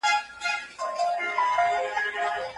کمپيوټر فولډرونه ړنګوي.